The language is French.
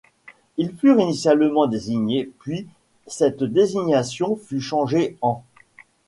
Ils furent initialement désignés ' puis cette désignation fut changée en '.